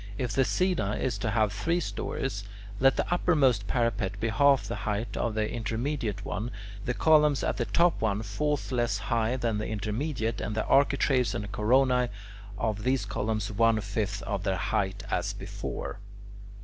If the "scaena" is to have three stories, let the uppermost parapet be half the height of the intermediate one, the columns at the top one fourth less high than the intermediate, and the architraves and coronae of these columns one fifth of their height as before.